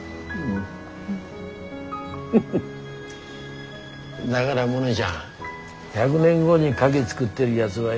んだがらモネちゃん１００年後にカキ作ってるやづはよ